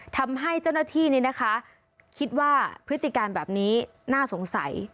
ทำให้เจ้าหน้าที่นี้นะคะคิดว่าพฤติการแบบนี้น่าสงสัย